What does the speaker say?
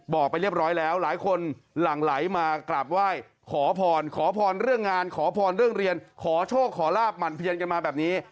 บอกไปเรียบร้อยแล้วหลายคนหลั่งไหลมากราบไหว้ขอพรขอพรเรื่องงานขอพรเรื่องเรียนขอโชคขอลาบหมั่นเพียนกันมาแบบนี้